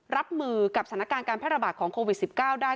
รับมือกับสถานการณ์การแพร่ระบาดของโควิด๑๙ได้